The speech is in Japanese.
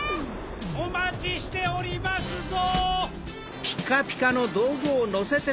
おまちしておりますぞ！